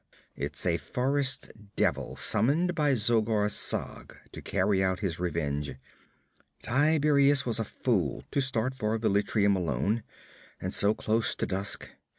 It's a forest devil summoned by Zogar Sag to carry out his revenge. Tiberias was a fool to start for Velitrium alone, and so close to dusk.